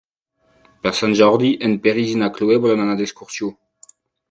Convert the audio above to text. Per Sant Jordi en Peris i na Cloè volen anar d'excursió.